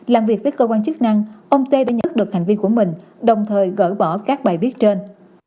làm việc với cơ quan chức năng ông tê đã nhận được hành vi của mình đồng thời gỡ bỏ các bài viết trên